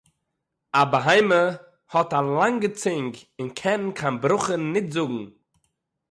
אַ בהמה האָט אַ לאַנגע צונג און קען קיין ברכה ניט זאָגן.